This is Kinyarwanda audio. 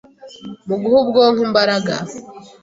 mu guha ubwonko imbaraga